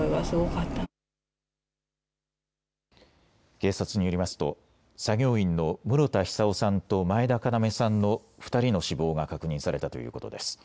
警察によりますと作業員の室田久夫さんと前田要さんの２人の死亡が確認されたということです。